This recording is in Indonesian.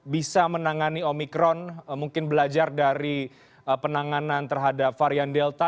bisa menangani omikron mungkin belajar dari penanganan terhadap varian delta